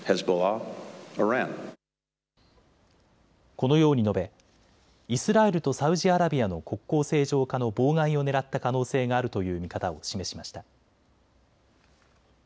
このように述べイスラエルとサウジアラビアの国交正常化の妨害をねらった可能性があるという見方を示しました。